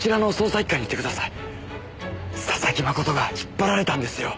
佐々木真人が引っ張られたんですよ。